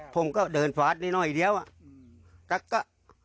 ผมก็เดินฟาสนิดหน่อยเดี๋ยวอ่ะอืมจั๊กจ๊ะ